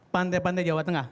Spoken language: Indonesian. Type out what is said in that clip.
pantai pantai jawa tengah